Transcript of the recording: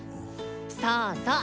そうそう。